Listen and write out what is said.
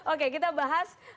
oke kita bahas